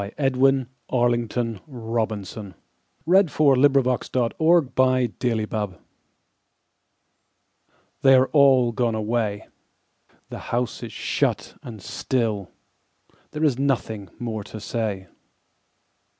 Edwin Arlington Robinson The House on the Hill THEY are all gone away, The house is shut and still, There is nothing more to say.